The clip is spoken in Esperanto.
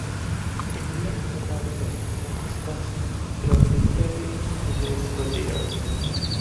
Iliaj kadavroj ne estas trovitaj ĝis hodiaŭ.